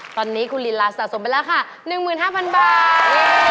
ตอนนี้คุณลีลาสะสมไปแล้วค่ะ๑๕๐๐๐บาท